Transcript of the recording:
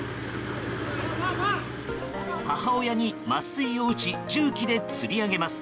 母親に麻酔を打ち重機でつり上げます。